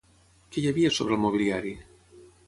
Què hi havia sobre el mobiliari?